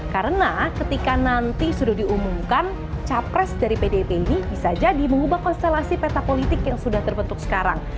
karena ketika nanti sudah diumumkan capres dari pdip ini bisa jadi mengubah konstelasi peta politik yang sudah terbentuk sekarang